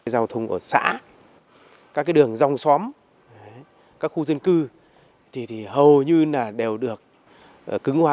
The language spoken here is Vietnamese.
giao thông ở xã các đường dòng xóm các khu dân cư